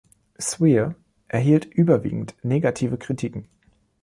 „Sphere“ erhielt überwiegend negative Kritiken.